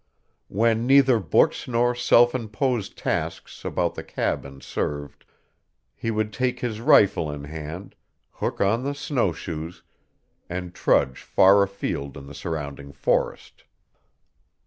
When neither books nor self imposed tasks about the cabin served, he would take his rifle in hand, hook on the snowshoes, and trudge far afield in the surrounding forest.